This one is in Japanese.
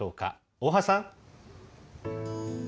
大橋さん。